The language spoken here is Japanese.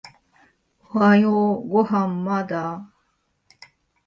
おはようご飯まだ？